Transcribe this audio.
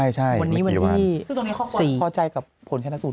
วันนี้วันที่๔